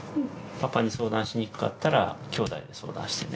パパに相談しにくかったらきょうだいで相談してね。